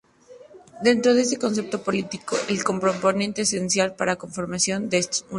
Dentro de este concepto político, el componente esencial para la conformación de un Estado.